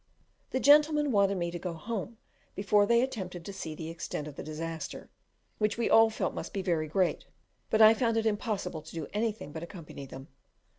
The gentlemen wanted me to go home before they attempted to see the extent of the disaster, which we all felt must be very great; but I found it impossible to do anything but accompany them.